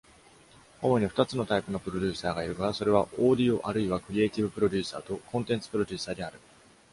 主にふたつのタイプのプロデューサーがいるが、それは、オーディオあるいはクリエイティブプロデューサーと、コンテンツプロデューサーである。